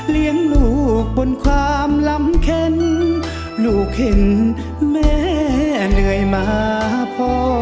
เลี้ยงลูกบนความลำเข็นลูกเห็นแม่เหนื่อยมาพ่อ